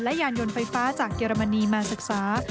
และยานยนต์ไฟฟ้าจากเยอรมนีมาศึกษา